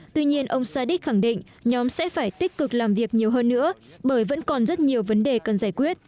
tuy nhiên ông sadik khẳng định nhóm sẽ phải tích cực làm việc nhiều hơn nữa bởi vẫn còn rất nhiều vấn đề cần giải quyết